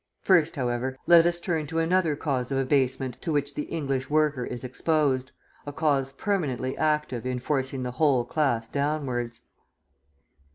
First, however, let us turn to another cause of abasement to which the English worker is exposed, a cause permanently active in forcing the whole class downwards.